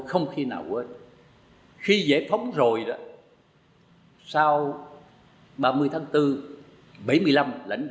không có thể tìm ra